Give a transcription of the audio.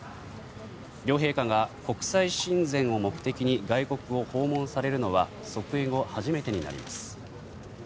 両陛下が国際親善を目的に外国を訪問されるのは即位後初めてになります。